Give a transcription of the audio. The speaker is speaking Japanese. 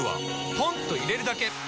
ポンと入れるだけ！